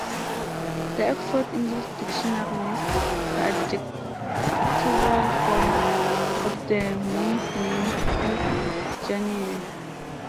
The "Oxford English Dictionary" lists the adjectival form of the moon's name as "Janian".